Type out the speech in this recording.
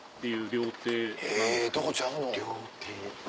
料亭。